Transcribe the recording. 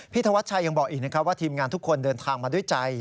พี่ธวัดชัยยังบอกอีกว่าทีมงานทุกคนเดินทางมาด้วยใจ